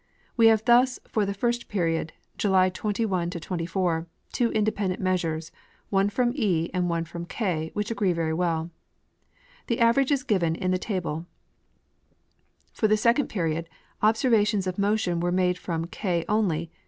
We have thus for the first period, July 21 to 24, two independent measures, one from E and one from K, which agree very well. The average is given in the table For the second period, observations of motion were made from K only.